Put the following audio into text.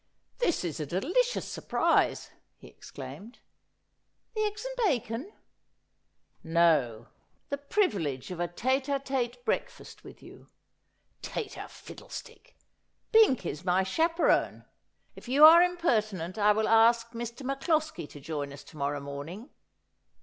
' This is a delicious surprise,' he exclaimed. ' The eggs and bacon ?' 'No ; the privilege of a tete d tete breakfast with you.' ' Tete ii fiddlestick ; Bink is my chaperon. If you are im pertinent I will ask Mr. MacCloskie to join us to morrow morn ing.